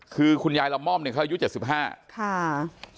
คือคุณยายละม่อมเนี่ยเขาอายุ๗๕ค่ะ